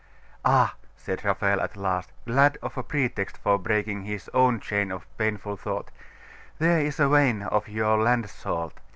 'Ah!' said Raphael at last, glad of a pretext for breaking his own chain of painful thought, 'there is a vein of your land salt.